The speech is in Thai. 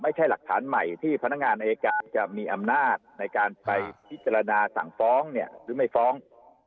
ไม่ใช่หลักฐานใหม่ที่พนักงานอายการจะมีอำนาจในการไปพิจารณาสั่งฟ้องเนี่ยหรือไม่ฟ้อง